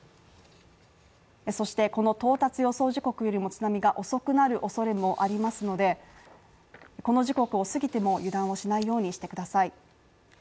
そしてこの到達予想時刻よりも津波が遅くなる恐れもありますので、この時刻を過ぎても油断をしないようにしてください。